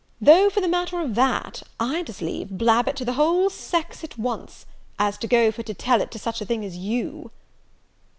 Though, for the matter of that, I'd as lieve blab it to the whole sex at once, as to go for to tell it to such a thing as you."